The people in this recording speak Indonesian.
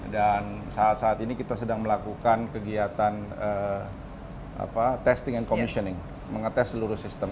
dan saat saat ini kita sedang melakukan kegiatan testing and commissioning mengetes seluruh sistem